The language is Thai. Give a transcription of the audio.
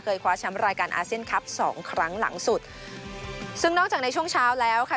คว้าแชมป์รายการอาเซียนคลับสองครั้งหลังสุดซึ่งนอกจากในช่วงเช้าแล้วค่ะ